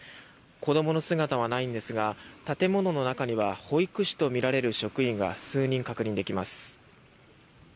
子どもの姿はないんですが建物の中には保育士とみられる職員が数人確認できます。